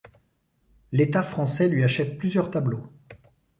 L'État français lui achète plusieurs tableaux.